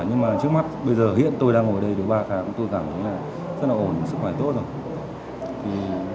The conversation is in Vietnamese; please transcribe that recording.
nhưng mà trước mắt bây giờ hiện tôi đang ngồi đây được ba tháng tôi cảm thấy là rất là ổn sức khỏe tốt rồi